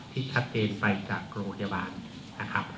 ที่ชัดเจนไปจากโรงพยาบาลนะครับ